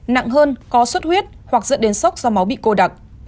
nặng hơn có suốt huyết hoặc dẫn đến sốc do máu bị cô đặc